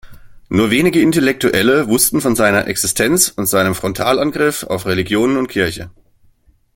Nur wenige Intellektuelle wussten von seiner Existenz und seinem Frontalangriff auf Religionen und Kirche.